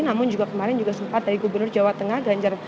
namun juga kemarin juga sempat dari gubernur jawa tengah ganjar